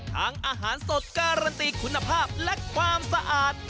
อาหารสดการันตีคุณภาพและความสะอาด